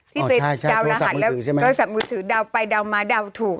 ที่ตรงดาวน์รหัสละโทรศัพท์มือถือดาวน์ไปดาวน์มาดาวน์ถูก